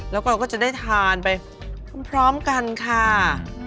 แล้วก่อนค่ะจะได้ทานไปพร้อมกันค่ะ